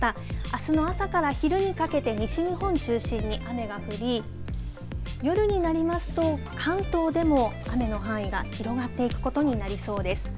あすの朝から昼にかけて、西日本中心に雨が降り、夜になりますと、関東でも雨の範囲が広がっていくことになりそうです。